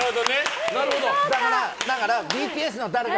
だから、ＢＴＳの誰か。